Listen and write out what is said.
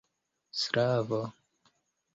slavo